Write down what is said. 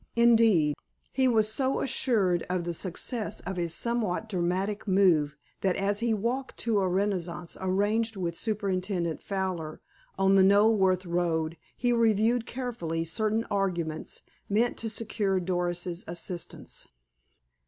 Indeed, he was so assured of the success of his somewhat dramatic move that as he walked to a rendezvous arranged with Superintendent Fowler on the Knoleworth road he reviewed carefully certain arguments meant to secure Doris's assistance.